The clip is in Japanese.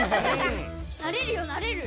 なれるよなれる。